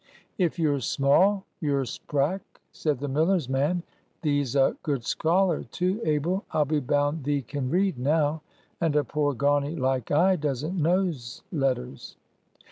"If you're small, you're sprack," said the miller's man. "Thee's a good scholar, too, Abel. I'll be bound thee can read, now? And a poor gawney like I doesn't know's letters."